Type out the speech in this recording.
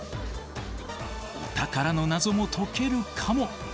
お宝のナゾも解けるかも。